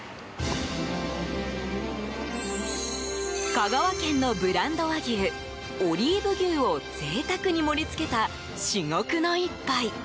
香川県のブランド和牛オリーブ牛を贅沢に盛り付けた至極の一杯。